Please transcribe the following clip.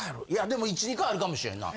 でも１２回あるかもしれんな。